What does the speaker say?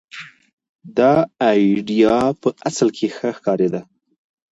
دا اېډیا په اصل کې ښه ښکارېده.